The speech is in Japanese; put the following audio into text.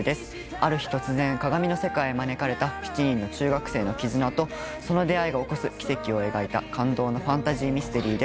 ある日突然鏡の世界へ招かれた７人の中学生の絆とその出会いが起こす奇跡を描いた感動のファンタジーミステリーです。